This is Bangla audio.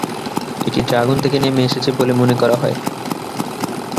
এটি ড্রাগন থেকে নেমে এসেছে বলে মনে করা হয়।